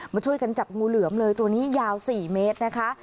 ช่วยกันจับงูเหลือมเลยตัวนี้ยาว๔เมตรนะคะ